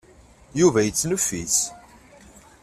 Yuba yettneffis.